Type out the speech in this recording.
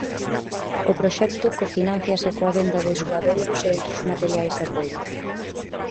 O proxecto cofinánciase coa venda de suadoiros e outros materiais de apoio.